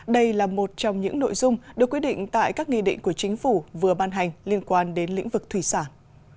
đây là một trong những nội dung được quyết định tại các nghị định của chính phủ vừa ban hành liên quan đến lĩnh vực thủy sản